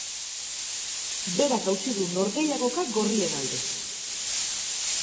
Berak hautsi du norgehiagoka gorrien alde.